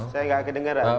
saya gak kedengeran